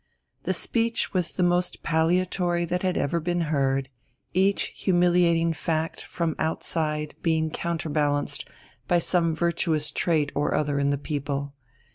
The speech was the most palliatory that had ever been heard, each humiliating fact from outside being counter balanced by some virtuous trait or other in the people.